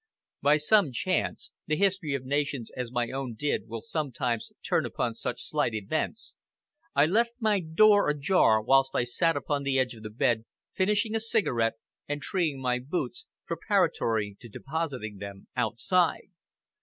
By some chance the history of nations, as my own did, will sometimes turn upon such slight events I left my door ajar whilst I sat upon the edge of the bed finishing a cigarette and treeing my boots, preparatory to depositing them outside.